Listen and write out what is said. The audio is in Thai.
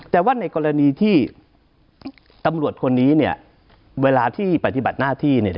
แต่ว่าในกรณีที่ตำรวจคนนี้เวลาที่ปฏิบัติหน้าที่